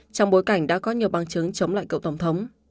trong bối cảnh đã có nhiều bằng chứng chống lại cựu tổng thống